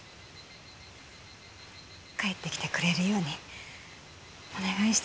帰ってきてくれるようにお願いしてたのに。